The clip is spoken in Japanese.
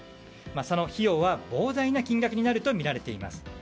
その費用は膨大な金額になると見られています。